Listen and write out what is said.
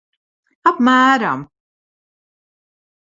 Apmēram.